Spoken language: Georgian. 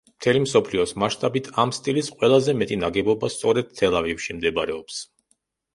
მთელი მსოფლიოს მასშტაბით, ამ სტილის ყველაზე მეტი ნაგებობა სწორედ თელ-ავივში მდებარეობს.